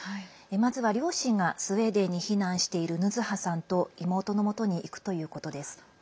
まずは、両親がスウェーデンに避難しているヌズハさんと、妹のもとに行くということです。